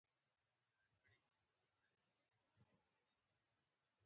بانکي حساب لرونکي لکه څاروي په غوچله کې ګیر پاتې وو.